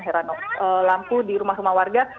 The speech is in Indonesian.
heranov lampu di rumah rumah warga